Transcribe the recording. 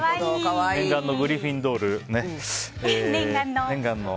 念願のグリフィンドール。